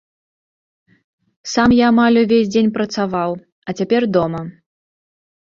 Сам я амаль увесь дзень працаваў, а цяпер дома.